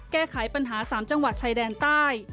แก้ไขปัญหา๓จังหวัดชายแดนใต้